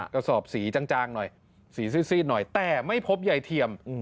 กระสอบสีจางหน่อยสีซีดหน่อยแต่ไม่พบยายเทียม